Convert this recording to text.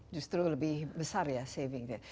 justru lebih besar ya savingnya